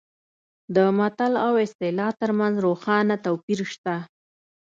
د متل او اصطلاح ترمنځ روښانه توپیر شته